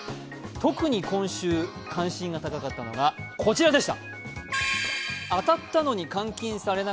特に今週、関心が高かったのがこちらでした。